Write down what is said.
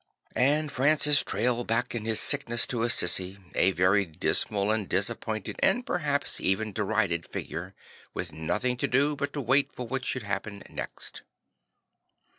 And Francis trailed back in his sickness to Assisi, a very dismal and disappointed and perhaps even derided figure, with nothing to do but to wait for what should happen next.